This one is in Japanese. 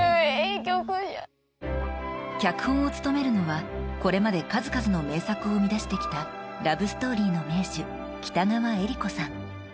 曲じゃ脚本を務めるのはこれまで数々の名作を生み出してきたラブストーリーの名手北川悦吏子さん